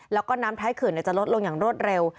แล้วก็น้ำท้ายเขื่อนจะลดลงอย่างรวดเร็ว